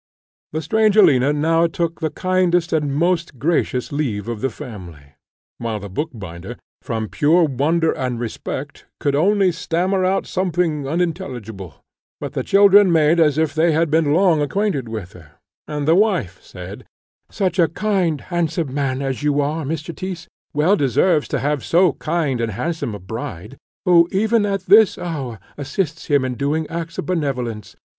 The strange Alina now took the kindest and most gracious leave of the family, while the bookbinder, from pure wonder and respect, could only stammer out a something unintelligible; but the children made as if they had been long acquainted with her, and the wife said, "Such a kind, handsome man as you are, Mr. Tyss, well deserves to have so kind and handsome a bride, who, even at this hour, assists him in doing acts of benevolence.